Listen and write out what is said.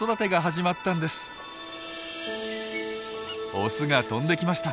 オスが飛んできました。